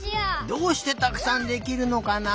どうしてたくさんできるのかな？